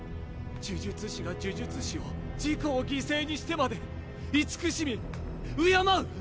呪術師が呪術師を自己を犠牲にしてまで慈しみ敬う！